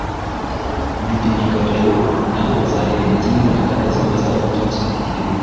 Budi na Ngabo Leonce na bo bazaririmba kimwe n’abakaraza bazaba baturutse muri iki gihugu